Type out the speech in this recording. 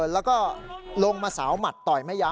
แล้วก็ลงมาสาวหมัดต่อยแม่ยา